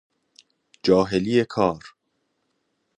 جاهلی کار